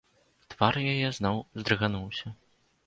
Твар яе зноў уздрыгануўся.